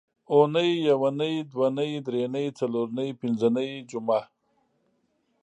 اونۍ یونۍ دونۍ درېنۍ څلورنۍ پینځنۍ جمعه